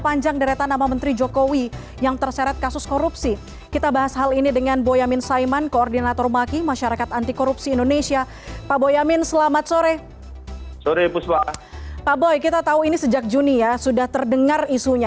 pak boy kita tahu ini sejak juni ya sudah terdengar isunya